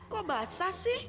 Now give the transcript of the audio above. kok basah sih